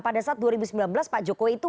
pada saat dua ribu sembilan belas pak jokowi itu